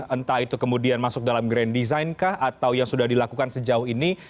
entah itu kemudian masuk dalam grand design kah atau yang sudah dilakukan sejauh ini